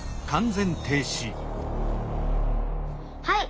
はい。